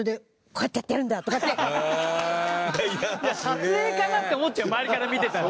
撮影かなって思っちゃう周りから見てたら。